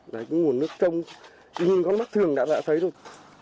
đấy cái nguồn nước trong nhưng có mắt thường đã thấy rồi